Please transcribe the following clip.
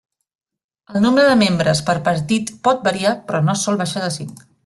El nombre de membres per partit pot variar però no sol baixar de cinc.